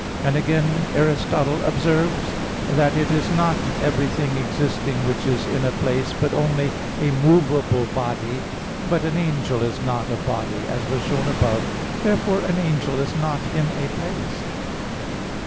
And again, Aristotle observes (Phys. iv, text 48,57) that "it is not everything existing which is in a place, but only a movable body." But an angel is not a body, as was shown above (Q. 50). Therefore an angel is not in a place.